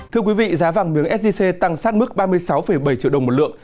thưa quý vị giá vàng miếng sgc tăng sát mức ba mươi sáu bảy triệu đồng một lượng